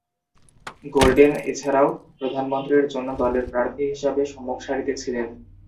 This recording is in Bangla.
গোল্ডেন এছাড়াও প্রধানমন্ত্রীর জন্য দলের প্রার্থী হিসাবে সম্মুখ সারিতে ছিলেন।